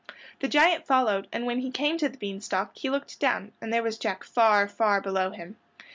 The giant followed and when he came to the bean stalk he looked down, and there was Jack far, far below him.